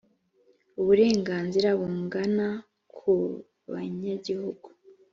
uburenganzira bungana ku banyagihugu